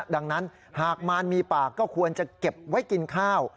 ดังนั้นหากมารมีปากก็ควรจะเก็บไว้กินข้าว